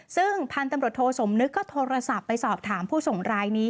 ซึ่งพันธุ์ตำรวจโทสมนึกก็โทรศัพท์ไปสอบถามผู้ส่งรายนี้